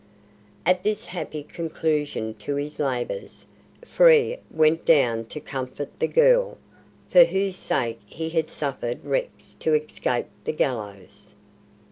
At this happy conclusion to his labours, Frere went down to comfort the girl for whose sake he had suffered Rex to escape the gallows.